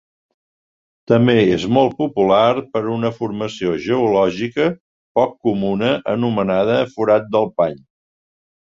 També és molt popular per una formació geològica poc comuna anomenada "forat del pany".